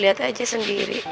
lihat aja sendiri